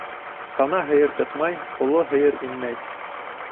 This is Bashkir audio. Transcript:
Тана һыйыр сыҡмай, оло һыйыр инмәй.